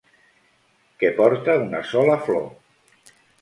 Que porta una sola flor.